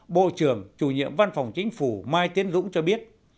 bộ trưởng chủ nhiệm văn phòng chính phủ mai tiến dũng cho biết